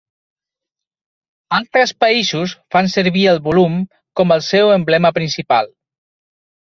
Altres països fan servir el volum com el seu emblema principal.